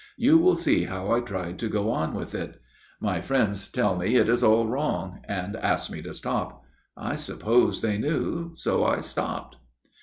You will see how I tried to go on with it. My friends tell me it is all wrong, and asked me to stop. I supposed they knew, so I stopped.'